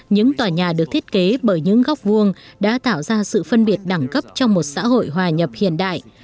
những tòa nhà được thiết kế bởi những góc vuông đã tạo ra sự phân biệt đẳng cấp trong một xã hội hòa nhập hiện đại